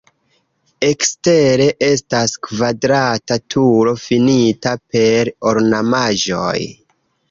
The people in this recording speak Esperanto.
Ekstere estas kvadrata turo finita per ornamaĵoj.